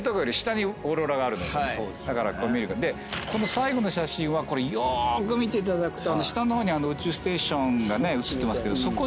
最後の写真はよーく見ていただくと。